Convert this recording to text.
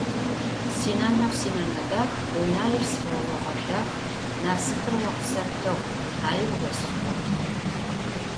Sinaneu sinene dax, dunair sfeoğedax, nasıpır vo khıseptığ, dunair vo sfıxepxığ.